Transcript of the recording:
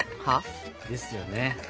はあ？ですよね。